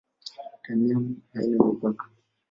Dunia haina mipaka?